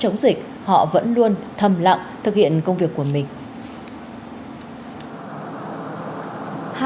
trong cuộc chiến chống dịch họ vẫn luôn thầm lặng thực hiện công việc của mình